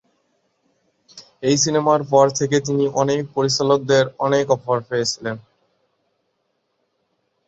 এই সিনেমার পর থেকে তিনি অনেক পরিচালকদের অনেক অফার পেয়েছিলেন।